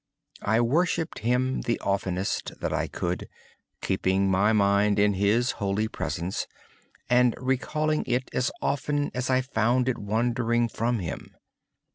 I worshipped Him the oftenest I could, keeping my mind in His holy presence and recalling it as often as I found it wandered from Him.